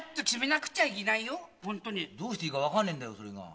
どうしていいか分かんねえんだよ。